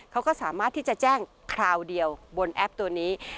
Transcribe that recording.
เขาก็สามารถที่จะแจ้งคราวเดียวบนแอปตัวนี้